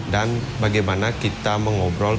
dan bagaimana kita mengobrol kepada seseorang